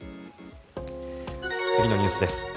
次のニュースです。